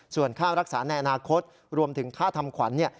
ส่วนค่ารักษาในอนาคตรวมถึงค่าทำขวัญเนี่ย